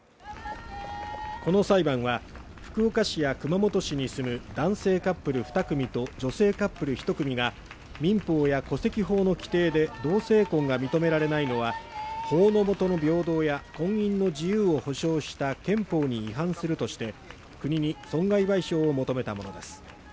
この裁判は、福岡市や熊本市に住む男性カップル２組と女性カップル１組が民法や戸籍法の規定で同性婚が認められないのは法のもとの平等や婚姻の自由を保障した憲法に違反するとして国に損害賠償を求めたものです。